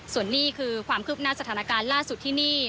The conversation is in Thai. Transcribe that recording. ส่วนนี้คือความคืบหน้าสถานการณ์ล่าสุดที่นี่